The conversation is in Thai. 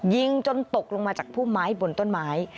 ยิงจนตกลงมาจากพุ่มไม้บนต้นไม้